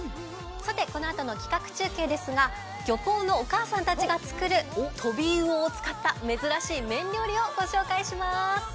このあとの企画中継ですが、漁港のお母さんたちが作るトビウオを使った、珍しい麺料理を御紹介します。